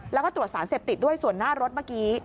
แล้วก็ตรวจสารเสพติดด้วยส่วนหน้ารถเมื่อกี้